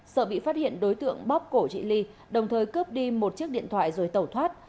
sợ bị phát hiện đối tượng bóp cổ chị ly đồng thời cướp đi một chiếc điện thoại rồi tẩu thoát